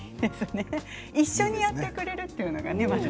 一緒にやってくれるというのが。